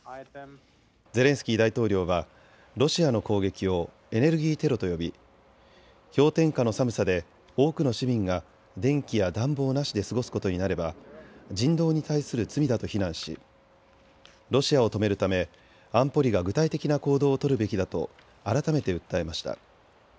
ゼレンスキー大統領はロシアの攻撃をエネルギーテロと呼び氷点下の寒さで多くの市民が電気や暖房なしで過ごすことになれば人道に対する罪だと非難し、ロシアを止めるため安保理が具体的な行動を取るべきだと改めて訴えました。